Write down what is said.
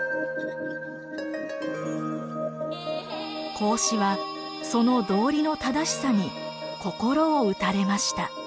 孔子はその道理の正しさに心を打たれました。